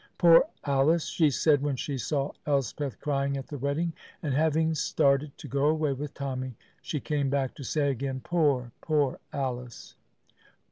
"Poor Alice!" she said when she saw Elspeth crying at the wedding, and having started to go away with Tommy, she came back to say again, "Poor, poor Alice!"